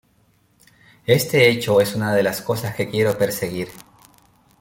Este hecho, es una de las cosas que quiero perseguir.